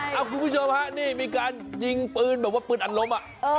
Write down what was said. หมูผู้ชมนี่มีการยิงปืนแบบว่าปืนอันล้ม